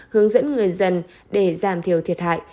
hướng dẫn người dân để giảm thiểu thiệt hại